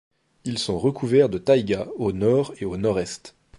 Ils sont recouverts de taïga au nord et au nord-est.